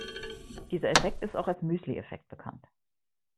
Dieser Effekt ist auch als Müsli-Effekt bekannt.